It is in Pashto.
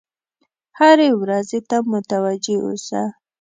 هرې ورځې ته متوجه اوسه.